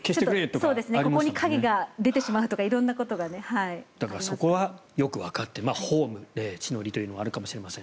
ここに影ができてしまうとかそこはよくわかっていてホーム、地の利というのはあるかもしれません。